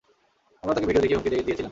আমরা তাকে ভিডিও দেখিয়ে হুমকি দিয়েছিলাম।